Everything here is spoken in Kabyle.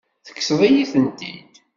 Tekkseḍ-iyi-tent-id.